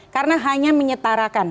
karena hanya menyetarakan